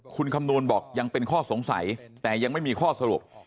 คุณคำนวณบอกยังเป็นข้อสงสัยแต่ยังไม่มีข้อสรุป